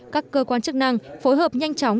các cơ quan chức năng phối hợp nhanh chóng